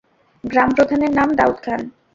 গ্রাম প্রধানের নাম দাঊদ খান।